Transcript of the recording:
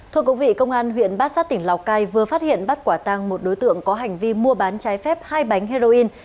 thưa quý vị công an huyện bát sát tỉnh lào cai vừa phát hiện bắt quả tăng một đối tượng có hành vi mua bán trái phép hai bánh heroin